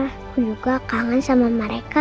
aku juga kangen sama mereka